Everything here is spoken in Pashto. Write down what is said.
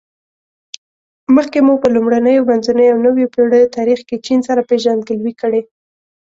مخکې مو په لومړنیو، منځنیو او نویو پېړیو تاریخ کې چین سره پېژندګلوي کړې.